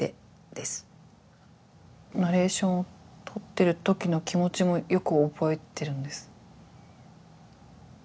ナレーションをとってる時の気持ちもよく覚えてるんです。